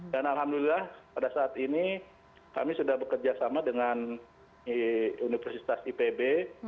dan alhamdulillah pada saat ini kami sudah bekerja sama dengan universitas ipb